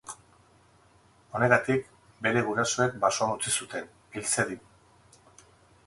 Honegatik, bere gurasoek basoan utzi zuten, hil zedin.